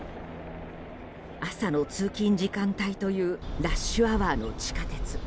朝の通勤時間帯というラッシュアワーの地下鉄。